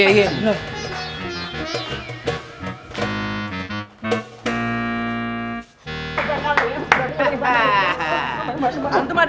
wah emang panik panik lu